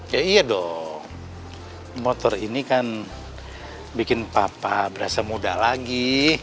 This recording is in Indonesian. ya iya dong motor ini kan bikin papa berasa muda lagi